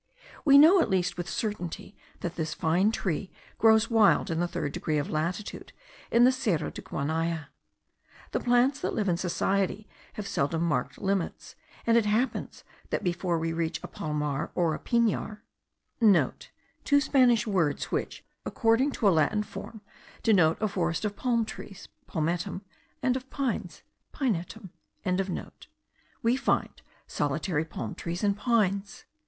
We know, at least, with certainty, that this fine tree grows wild in the third degree of latitude, in the Cerro de Guanaya. The plants that live in society have seldom marked limits, and it happens, that before we reach a palmar or a pinar,* (* Two Spanish words, which, according to a Latin form, denote a forest of palm trees, palmetum, and of pines, pinetum.) we find solitary palm trees and pines.